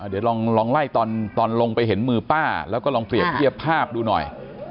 เดี๋ยวลองไล่ตอนลงไปเห็นมือป้าแล้วก็ลองเปรียบเทียบภาพดูหน่อย